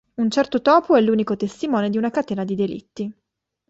Un certo topo è l'unico testimone di una catena di delitti.